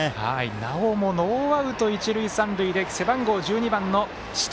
なおもノーアウト、一塁三塁で背番号１２番寿時